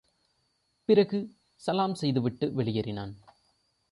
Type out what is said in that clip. பிறகு, சலாம் செய்துவிட்டு வெளியேறினான்.